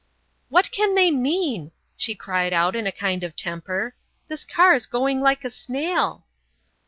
"What can they mean?" she cried out in a kind of temper; "this car's going like a snail."